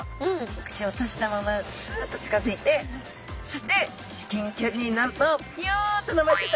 お口を閉じたままスッと近づいてそして至近距離になるとビヨンと伸ばして食べちゃうんですね！